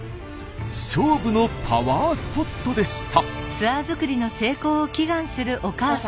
勝負のパワースポットでした。